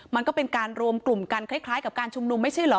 มันก็เป็นการรวมกลุ่มกันคล้ายกับการชุมนุมไม่ใช่เหรอ